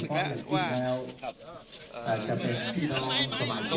เดิมทางดูรวมที่มันมีคนติฟามค่ะ